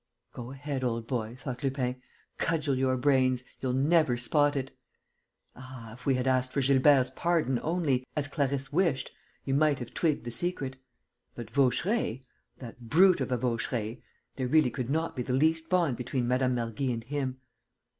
"Go ahead, old boy," thought Lupin, "cudgel your brains: you'll never spot it! Ah, if we had asked for Gilbert's pardon only, as Clarisse wished, you might have twigged the secret! But Vaucheray, that brute of a Vaucheray, there really could not be the least bond between Mme. Mergy and him.....